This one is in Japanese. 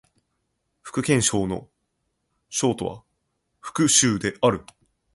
福建省の省都は福州である